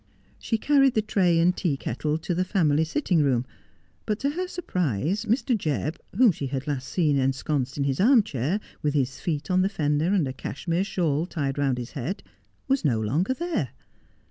She carried the tray and tea kettle to the family sitting room, but to her surprise Mr. Jebb, whom she had last seen ensconced in his arm chair, with his feet on the fender and a Cashmere shawl tied round his head, was no longer there.